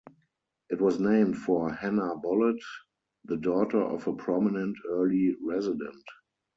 It was named for Hanna Bullett, the daughter of a prominent early resident.